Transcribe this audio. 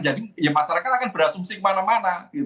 jadi masyarakat akan berasumsi kemana mana